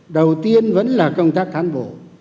đầu tiên vẫn là công tác cán bộ